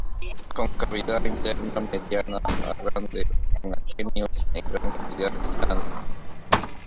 Con cavidad interna mediana a grande con aquenios en gran cantidad y grandes.